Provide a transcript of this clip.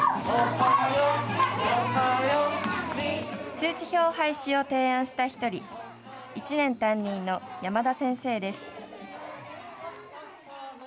通知表廃止を提案した１人、１年担任の山田先生です。